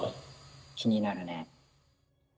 気になるね。